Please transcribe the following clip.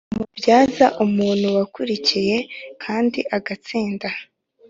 Umubyaza umuntu wakurikiye kandi agatsinda